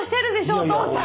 お父さん！